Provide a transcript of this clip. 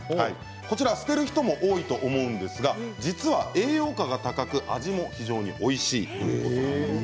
こちら捨てる人も多いと思うんですが実は栄養価が高く味も非常においしいということです。